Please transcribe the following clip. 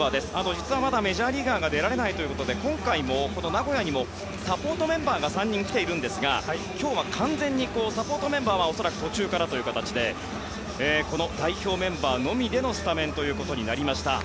実はまだメジャーリーガーが出られないということで今回、この名古屋にもサポートメンバーが３人来ているんですが今日は完全にサポートメンバーは途中からという形で代表メンバーのみでのスタメンとなりました。